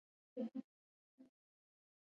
افغانستان د ژمی له مخې پېژندل کېږي.